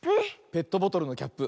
ペットボトルのキャップ。